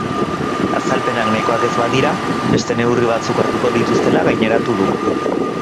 Azalpenak nahikoak ez badira, beste neurri batzuk hartuko dituztela gaineratu du.